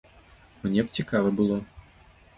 Мне б цікава было.